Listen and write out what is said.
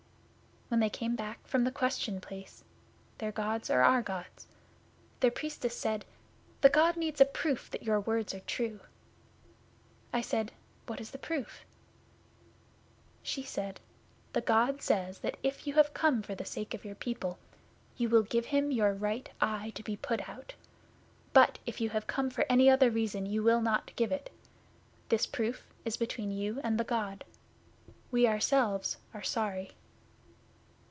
'When they came back from the Question place (their Gods are our Gods), their Priestess said, "The God needs a proof that your words are true." I said, "What is the proof?" She said, "The God says that if you have come for the sake of your people you will give him your right eye to be put out; but if you have come for any other reason you will not give it. This proof is between you and the God. We ourselves are sorry."